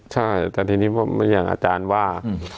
ใช่ทีนี้พวกเรื่องอาจารย์ว่า